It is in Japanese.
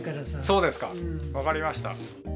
そうですか、分かりました。